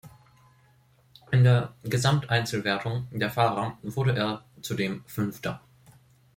In der Gesamt-Einzelwertung der Fahrer wurde er zudem Fünfter.